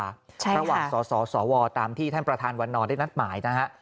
ระหว่างสสวตามที่ท่านประธานวันนอนได้นัดหมายนะฮะ